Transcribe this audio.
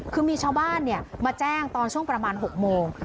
คือมีชาวบ้านมาแจ้งตอนช่วงประมาณ๖โมง